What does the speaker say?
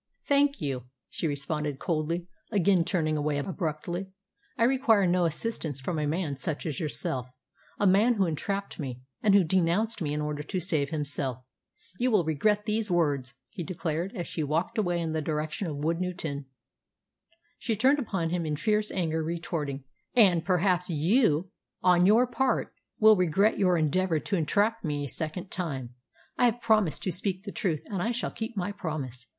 "Thank you," she responded coldly, again turning away abruptly. "I require no assistance from a man such as yourself a man who entrapped me, and who denounced me in order to save himself." "You will regret these words," he declared, as she walked away in the direction of Woodnewton. She turned upon him in fierce anger, retorting, "And perhaps you, on your part, will regret your endeavour to entrap me a second time. I have promised to speak the truth, and I shall keep my promise.